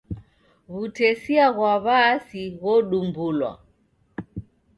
W'utesia ghwa w'aasi ghodumbulwa.